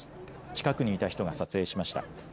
近くにいた人が撮影しました。